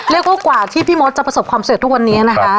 เรียกว่ากว่าที่พี่มดจะประสบความเสร็จทุกวันนี้นะคะ